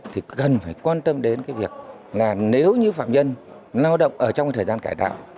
thì cần phải quan tâm đến cái việc là nếu như phạm nhân lao động ở trong thời gian cải tạo